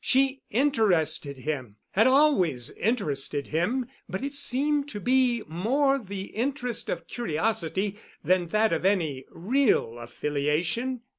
She interested him—had always interested him—but it seemed to be more the interest of curiosity than that of any real affiliation.